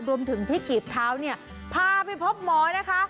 รวมถึงที่กีบเท้าเนี่ยพาไปพบหมอนะคะ